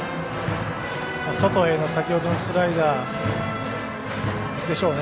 外への先ほどのスライダーでしょうね。